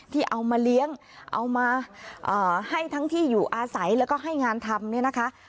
ที่เอามาเลี้ยงเอามาให้ทั้งที่อยู่อาศัยแล้วก็ให้งานทำเนี่ยนะคะ